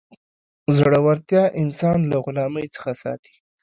زړورتیا انسان له غلامۍ څخه ساتي.